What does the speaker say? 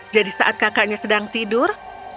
jadi saat kakaknya sedang tidur